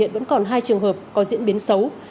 vẫn còn hai trường hợp có diễn biến xấu